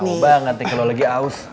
tau banget nih kalo lagi aus